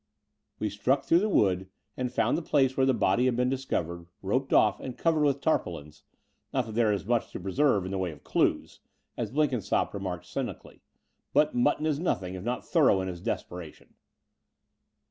We struck through the wood ; and we found the place where the body had been discovered, roped off and covered with tarpaulins — not that there is much to preserve in the way of clues," as Blenkinsopp remarked cynically: but Mutton is nothing if not thorough in his desperation."